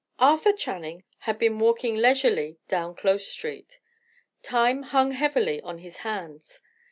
Arthur Channing had been walking leisurely down Close Street. Time hung heavily on his hands.